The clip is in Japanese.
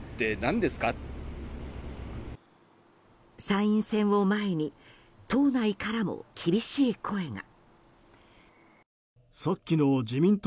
参院選を前に党内からも厳しい声が。